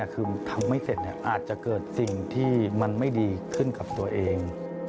คือทำไม่เสร็จอาจจะเกิดสิ่งที่มันไม่ดีขึ้นกับตัวเอง